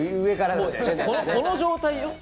もうこの状態よ。